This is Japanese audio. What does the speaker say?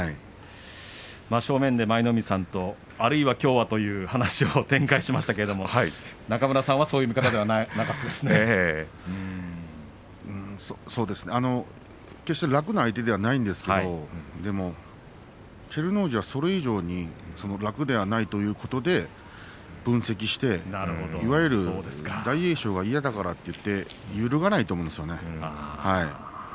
正面の舞の海さんとあるいはきょうはという話を展開しましたけれども中村さんはそういう見方では決して楽な相手ではないんですけれど照ノ富士はそれ以上に楽ではないということで分析して、いわゆる大栄翔は嫌だからといって揺るがないと思うんですよね。